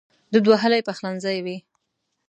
دود وهلی پخلنځی وي